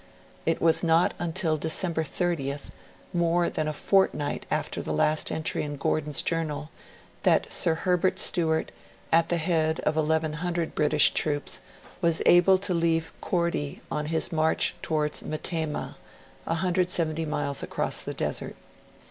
It was not until December 30th more than a fortnight after the last entry in Gordon's Journal that Sir Herbert Stewart, at the head of 1,100 British troops, was able to leave Korti on his march towards Metemmah, 170 miles across the desert.